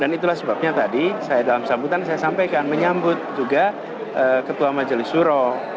dan itulah sebabnya tadi saya dalam sambutan saya sampaikan menyambut juga ketua majelis suro